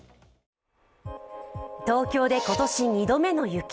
東京で今年２度目の雪。